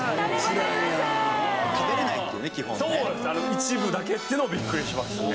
一部だけっていうのもビックリしましたね。